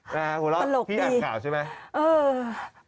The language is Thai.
หัวเราะพี่อ่านข่าวใช่ไหม